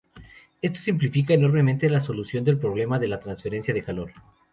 Esto simplifica enormemente la solución del problema de la transferencia de calor.